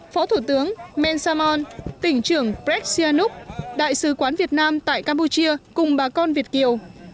phó thủ tướng men samon tỉnh trưởng brexianouk đại sứ quán việt nam tại campuchia cùng bà con việt kiều